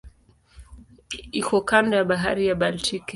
Iko kando ya Bahari ya Baltiki.